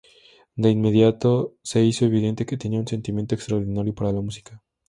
De inmediato se hizo evidente que tenía un sentimiento extraordinario para la música.